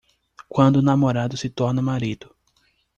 Quando o namorado se torna marido